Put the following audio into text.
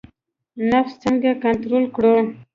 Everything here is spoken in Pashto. نفس څنګه کنټرول کړو؟